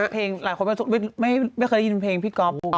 เพลงหลายคนไม่เคยได้ยินเพลงพี่ก๊อฟ